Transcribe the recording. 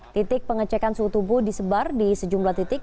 titik pengecekan suhu tubuh disebar di sejumlah titik